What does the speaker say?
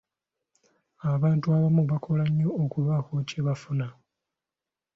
Abantu abamu bakola nnyo okubaako kye bafuna.